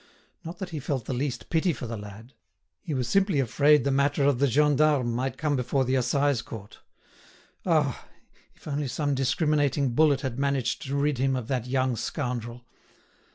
Not that he felt the least pity for the lad; he was simply afraid the matter of the gendarme might come before the Assize Court. Ah! if only some discriminating bullet had managed to rid him of that young scoundrel!